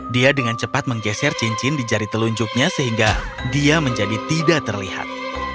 dia dengan cepat menggeser cincin di jari telunjuknya sehingga dia menjadi tidak terlihat